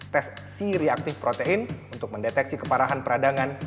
tes c reaktif protein untuk mendeteksi keparahan peradangan